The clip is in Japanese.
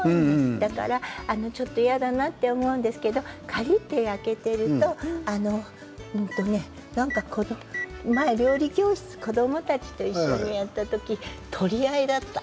だからちょっと嫌だなと思うんですけどカリっと焼けていると前、料理教室子どもたちと一緒にやった時取り合いだった。